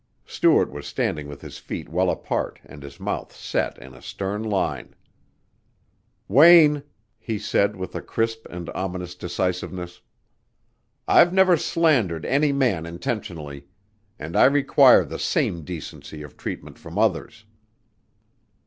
Stuart was standing with his feet well apart and his mouth set in a stern line. "Wayne," he said with a crisp and ominous decisiveness, "I've never slandered any man intentionally and I require the same decency of treatment from others."